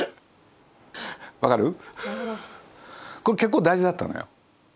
これ結構大事だったのよ。